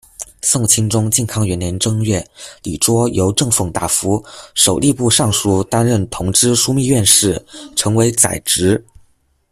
宋钦宗靖康元年正月，李棁由正奉大夫、守吏部尚书担任同知枢密院事，成为宰执。